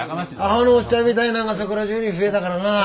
アホのおっちゃんみたいなんがそこら中に増えたからな。